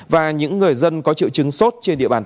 và những người dân có triệu chứng sốt trên địa bàn